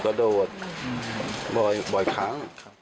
ก็โดดบ่อยค้าง